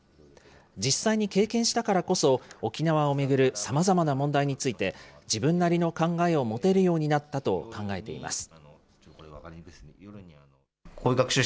実際に経験したからこそ、沖縄を巡るさまざまな問題について、自分なりの考えを持てるようになったと考えています。